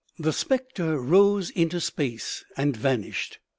The spectre rose into space and vanished.